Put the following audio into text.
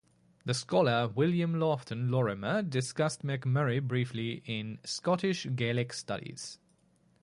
The scholar William Laughton Lorimer discussed McMurray briefly in "Scottish Gaelic studies".